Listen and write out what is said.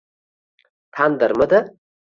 — Tanirmidi?